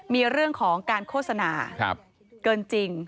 มีเรื่องของการโฆษณาเกินจริง